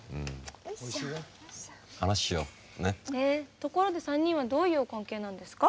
ところで３人はどういうお関係なんですか？